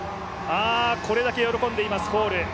これだけ喜んでいますホール。